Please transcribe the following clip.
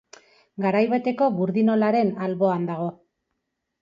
Garai bateko burdinolaren alboan dago.